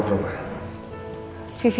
terima kasih banyak ya